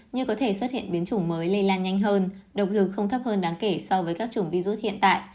như có thể xuất hiện biến chủng mới lây lan nhanh hơn động lực không thấp hơn đáng kể so với các chủng virus hiện tại